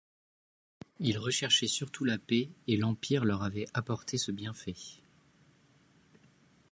Ils recherchaient surtout la paix, et l’empire leur avait apporté ce bienfait.